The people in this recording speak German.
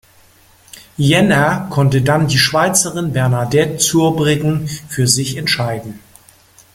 Jänner konnte dann die Schweizerin Bernadette Zurbriggen für sich entscheiden.